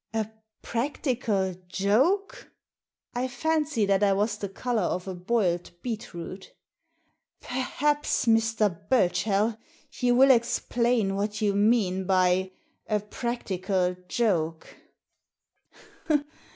" A practical joke !" I fancy that I was the colour of a boiled beetroot " Perhaps, Mr. Burchell, you will explain what you mean by a practical joke."